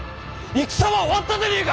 戦は終わったでねえか！